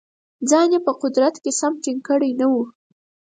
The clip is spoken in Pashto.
ځان یې په قدرت کې سم ټینګ کړی نه وو.